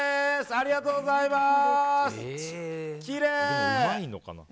ありがとうございます。